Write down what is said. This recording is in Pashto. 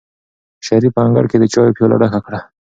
شریف په انګړ کې د چایو پیاله ډکه کړه.